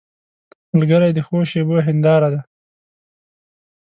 ملګری د ښو شېبو هنداره ده